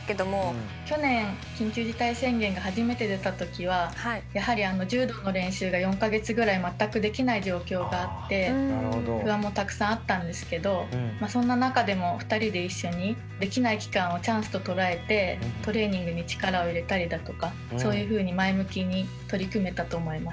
去年緊急事態宣言が初めて出た時はやはり柔道の練習が４か月ぐらい全くできない状況があって不安もたくさんあったんですけどそんな中でも２人で一緒にできない期間をチャンスと捉えてトレーニングに力を入れたりだとかそういうふうに前向きに取り組めたと思います。